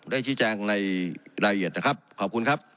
ได้ชิดแจ้งในลายเหยียดนะครับขอบคุณครับ